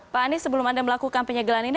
pak anies sebelum anda melakukan penyegelan ini